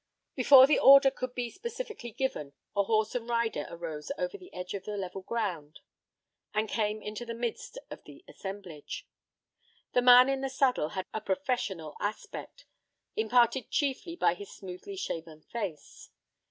Before the order could be specifically given a horse and a rider arose over the edge of the level ground and came into the midst of the assemblage. The man in the saddle had a professional aspect, imparted chiefly by his smoothly shaven face.